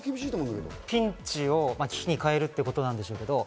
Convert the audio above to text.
ピンチをチャンスに変えるということなんでしょうけど。